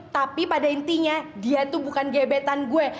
tapi pada intinya dia tuh bukan gebetan gue